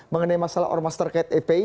mengenai masalah ormasterkate fpi